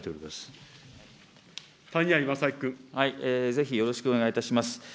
ぜひよろしくお願いいたします。